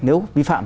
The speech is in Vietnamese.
nếu vi phạm